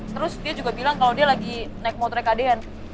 terus dia juga bilang kalau dia lagi naik motornya ke deyan